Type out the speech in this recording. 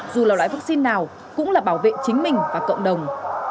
dù là loại vaccine nào cũng là bảo vệ chính mình và cộng đồng